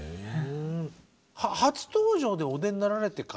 初登場でお出になられてから。